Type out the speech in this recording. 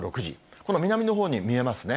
この南のほうに見えますね。